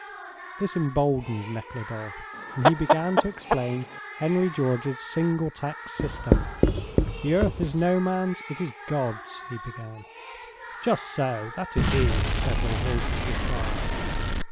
This emboldened Nekhludoff, and he began to explain Henry George's single tax system "The earth is no man's; it is God's," he began. "Just so; that it is," several voices replied.